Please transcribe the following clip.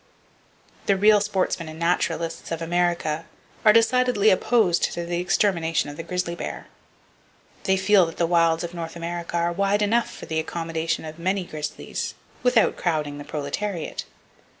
The real sportsmen and naturalists of America are decidedly opposed to the extermination of the grizzly bear. They feel that the wilds of North America are wide enough for the accommodation of many grizzlies, without crowding the proletariat.